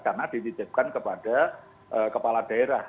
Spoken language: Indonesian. karena dititipkan kepada kepala daerah